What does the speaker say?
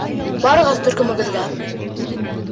Барығыҙ төркөмөгөҙгә!